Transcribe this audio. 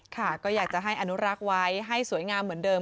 ค่ะก็อยากจะให้อนุรักษ์ไว้ให้สวยงามเหมือนเดิม